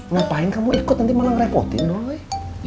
ngapain kamu ikut nanti malah ngerepotin boleh